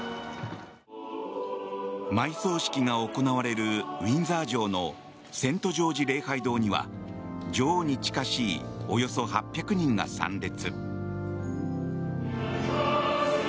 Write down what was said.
埋葬式が行われるウィンザー城のセント・ジョージ礼拝堂には女王に近しいおよそ８００人が参列。